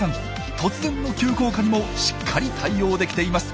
突然の急降下にもしっかり対応できています。